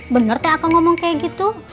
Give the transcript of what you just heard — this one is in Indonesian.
bener teh akang ngomong kayak gitu